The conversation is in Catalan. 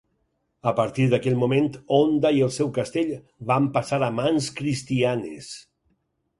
A partir d'aquell moment Onda i el seu castell van passar a mans cristianes.